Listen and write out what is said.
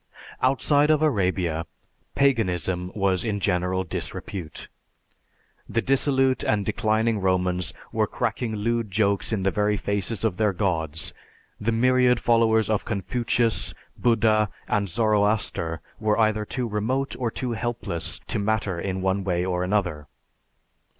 "Outside of Arabia, Paganism was in general disrepute. The dissolute and declining Romans were cracking lewd jokes in the very faces of their gods, the myriad followers of Confucius, Buddha and Zoroaster were either too remote or too helpless to matter in one way or another.